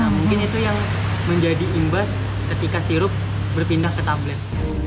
mungkin itu yang menjadi imbas ketika sirup berpindah ke tablet